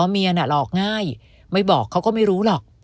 เมียน่ะหลอกง่ายไม่บอกเขาก็ไม่รู้หรอก